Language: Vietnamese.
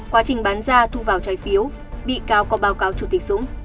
quá trình bán ra thu vào trái phiếu bị cáo có báo cáo chủ tịch súng